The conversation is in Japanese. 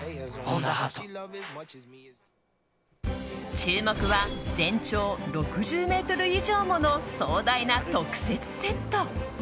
注目は全長６０ｍ以上もの壮大な特設セット。